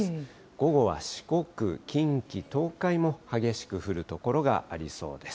午後は四国、近畿、東海も激しく降る所がありそうです。